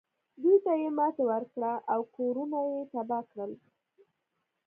دوی ته یې ماتې ورکړه او کورونه یې تباه کړل.